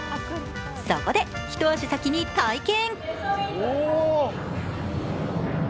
そこで、一足先に体験。